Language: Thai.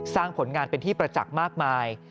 ผลงานเป็นที่ประจักษ์มากมาย